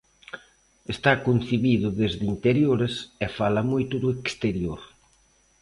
Está concibido desde interiores e fala moito do exterior.